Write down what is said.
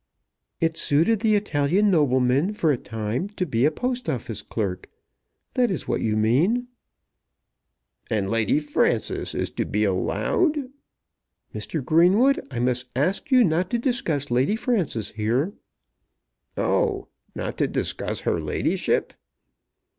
"It suited the Italian nobleman for a time to be a Post Office clerk. That is what you mean." "And Lady Frances is to be allowed " "Mr. Greenwood, I must ask you not to discuss Lady Frances here." "Oh! Not to discuss her ladyship!"